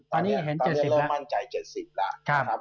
ตอนนี้เห็นเจ็ดสิบแล้วตอนนี้เริ่มมั่นใจเจ็ดสิบแล้วครับครับ